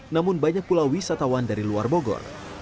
namun banyak pula wisatawan dari luar bogor